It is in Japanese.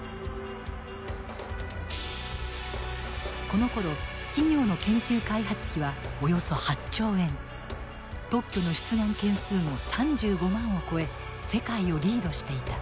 このころ企業の研究開発費はおよそ８兆円特許の出願件数も３５万を超え世界をリードしていた。